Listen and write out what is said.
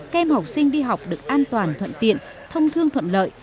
kem học sinh đi học được an toàn thuận tiện thông thương thuận lợi